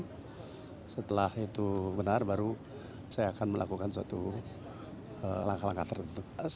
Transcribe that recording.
dan setelah itu benar baru saya akan melakukan suatu langkah langkah tertentu